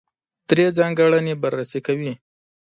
درې ځانګړنې بررسي کوي.